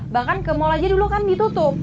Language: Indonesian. bahkan ke mal aja dulu kan ditutup